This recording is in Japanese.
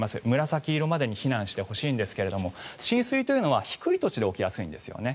紫色までに避難してほしいんですけど浸水というのは低い土地で起きやすいんですね。